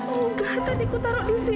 enggak tadi ku taruh di sini